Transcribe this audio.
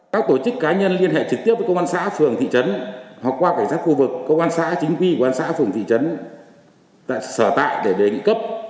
các tổ chức cá nhân liên hệ trực tiếp với công an xã phường thị trấn hoặc qua cảnh sát khu vực công an xã chính quy công an xã phường thị trấn tại sở tại để đề nghị cấp